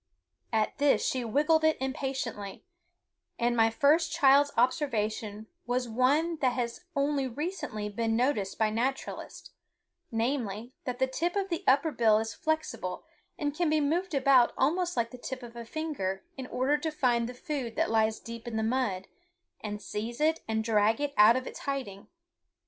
At this she wiggled it impatiently, and my first child's observation was one that has only recently been noticed by naturalists, namely, that the tip of the upper bill is flexible and can be moved about almost like the tip of a finger in order to find the food that lies deep in the mud, and seize it and drag it out of its hiding.